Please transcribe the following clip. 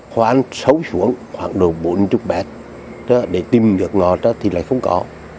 khoảng sống xuống khoảng đồng bốn mươi m để tìm nước ngọt thì lại không có